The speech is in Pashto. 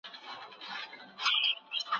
نړۍ ستاسې وړتیا ته سترګې په لار ده.